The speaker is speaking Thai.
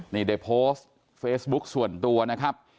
นี่ได้โพสต์เฟซบุ๊คส่วนตัวนะครับ